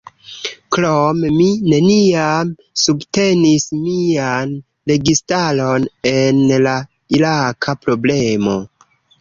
Krome, mi neniam subtenis mian registaron en la iraka problemo.